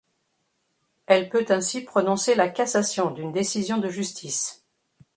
Elle peut ainsi prononcer la cassation d'une décision de justice.